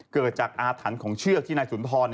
เกิดจากอาถรรพ์ของเชือกที่นายสุนทร